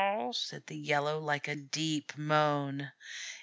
said Yellow, like a deep moan.